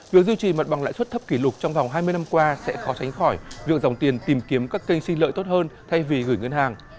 việc duy trì mặt bằng lãi suất thấp kỷ lục trong vòng hai mươi năm qua sẽ khó tránh khỏi việc dòng tiền tìm kiếm các kênh xin lợi tốt hơn thay vì gửi ngân hàng